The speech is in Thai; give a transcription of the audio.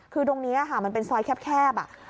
คือตรงนี้ค่ะมันเป็นซอยแคบ